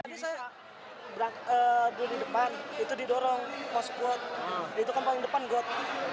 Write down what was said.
tadi saya berangkat di depan itu didorong poskuat itu kampung depan god